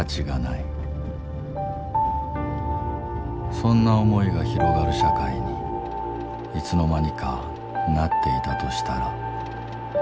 そんな思いが広がる社会にいつの間にかなっていたとしたら。